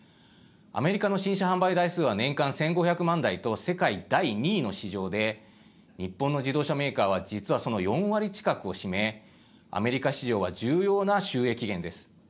アメリカの新車販売台数は年間１５００万台と世界第２位の市場で日本の自動車メーカーは実は、その４割近くを占めアメリカ市場は重要な収益源です。